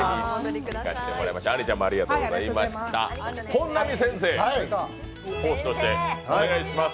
本並先生、講師としてお願いします。